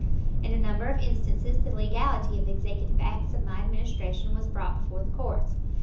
In a number of instances the legality of executive acts of my Administration was brought before the courts.